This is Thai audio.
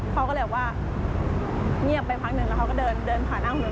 เขาก็แหละว่าเงียบไปพักนึงแล้วเขาก็เดินผ่านหน้าคุณลุง